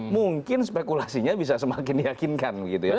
mungkin spekulasinya bisa semakin diyakinkan